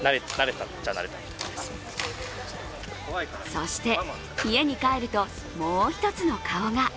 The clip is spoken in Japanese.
そして、家に帰るともう一つの顔が。